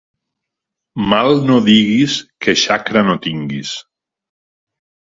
Mal no diguis que xacra no tinguis.